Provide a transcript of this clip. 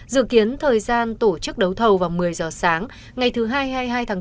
dự kiến thời gian tổ chức đấu thầu vào một mươi giờ sáng ngày thứ hai hai mươi hai tháng bốn